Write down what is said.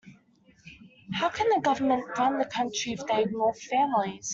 How can the government run the country if they ignore families?